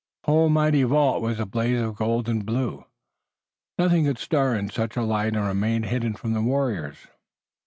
The whole mighty vault was a blaze of gold and blue. Nothing could stir in such a light and remain hidden from the warriors.